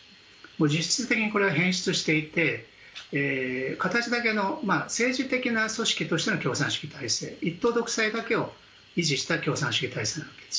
実質的にこれは変質していて形だけの政治的な組織としての共産主義体制一党独裁だけを維持した共産主義体制なわけです。